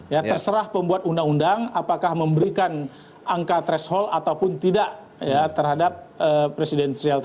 ya terserah pembuat undang undang apakah memberikan angka threshold ataupun tidak terhadap presiden